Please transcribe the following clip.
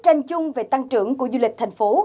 tranh chung về tăng trưởng của du lịch thành phố